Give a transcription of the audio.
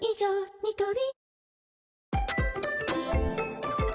ニトリ